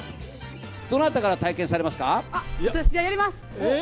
どなたから体験されますか？